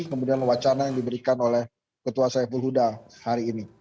kemudian wacana yang diberikan oleh ketua sehuda hari ini